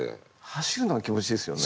走るのが気持ちいいですよね。